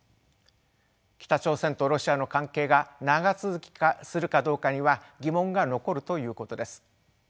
北朝鮮とロシアの関係が長続きするかどうかには疑問が残るということです。